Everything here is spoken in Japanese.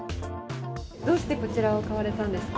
どうしてこちらを買われたんですか？